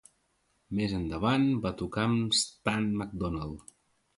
Més endavant va tocar amb Stan McDonald.